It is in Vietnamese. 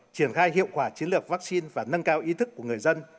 triển khai hiệu quả chiến lược vaccine và nâng cao ý thức của người dân